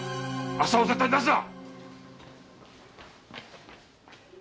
浅尾を絶対に出すな！